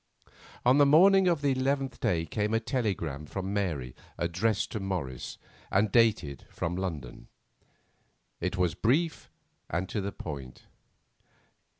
On the morning of the eleventh day came a telegram from Mary addressed to Morris, and dated from London. It was brief and to the point.